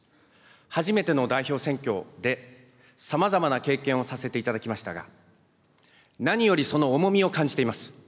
初めての代表選挙で、さまざまな経験をさせていただきましたが、何よりその重みを感じています。